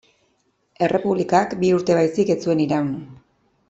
Errepublikak bi urte baizik ez zuen iraun.